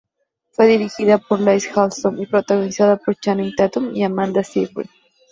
Fue dirigida por Lasse Hallström y protagonizada por Channing Tatum y Amanda Seyfried.